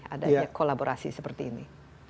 adanya kolaborasi seperti ini